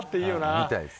見たいです。